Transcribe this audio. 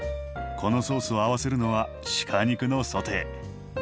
このソースを合わせるのは鹿肉のソテー。